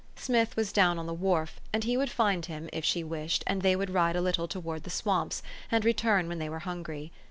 Smith was down on the wharf; and he would find him, if she wished, and they would ride a little towards the swamps, and return when they were hungry.